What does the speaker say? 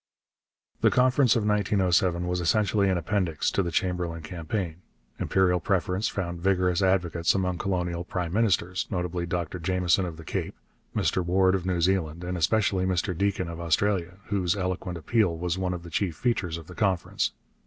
The Conference of 1907 was essentially an appendix to the Chamberlain campaign. Imperial preference found vigorous advocates among colonial prime ministers, notably Dr Jameson of the Cape, Mr Ward of New Zealand, and especially Mr Deakin of Australia, whose eloquent appeal was one of the chief features of the Conference.